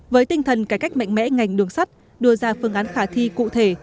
với tinh thần cải cách mạnh mẽ ngành đường sắt đưa ra phương án khả thi cụ thể